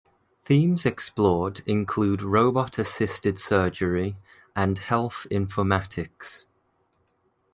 Themes explored include robot-assisted surgery and health informatics.